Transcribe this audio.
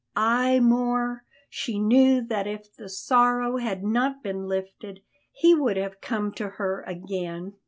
Ay more, she knew that if the sorrow had not been lifted he would have come to her again.